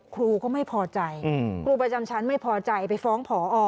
ครูก็ไม่พอใจครูประจำชั้นไม่พอใจไปฟ้องผอ